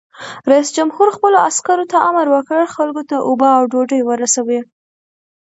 رئیس جمهور خپلو عسکرو ته امر وکړ؛ خلکو ته اوبه او ډوډۍ ورسوئ!